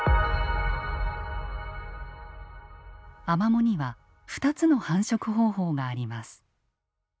アマモには２つの繁殖方法があります。